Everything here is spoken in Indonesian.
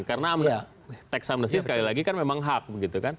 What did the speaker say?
karena teks amnesti sekali lagi kan memang hak